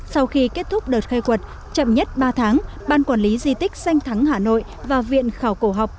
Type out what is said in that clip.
sau khi kết thúc đợt khai quật chậm nhất ba tháng ban quản lý di tích danh thắng hà nội và viện khảo cổ học